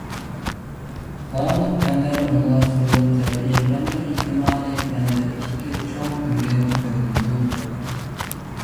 بارلىق پەنلەر ئومۇملاشتۇرۇلۇپ تەبىئىي پەن ۋە ئىجتىمائىي پەن دەپ ئىككى چوڭ تۈرگە بۆلۈنىدۇ.